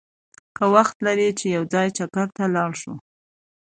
که وخت لرې چې یو ځای چکر ته لاړ شو!